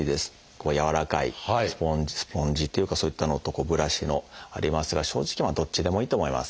こうやわらかいスポンジスポンジっていうかそういったのとブラシのありますが正直まあどっちでもいいと思います。